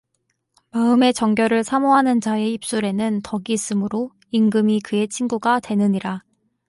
마음의 정결을 사모하는 자의 입술에는 덕이 있으므로 임금이 그의 친구가 되느니라